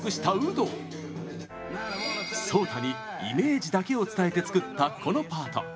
ＳＯＴＡにイメージだけを伝えて作った、このパート。